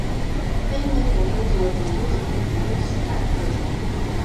菲律宾胡颓子为胡颓子科胡颓子属下的一个种。